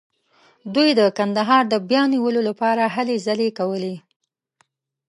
دوی د کندهار د بیا نیولو لپاره هلې ځلې کولې.